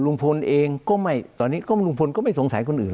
ลุงพลเองก็ไม่ตอนนี้ก็ลุงพลก็ไม่สงสัยคนอื่น